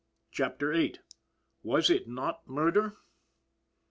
CHAPTER VIII. WAS IT NOT MURDER?